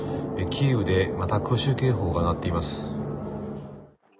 キーウでまた空襲警報が鳴っています。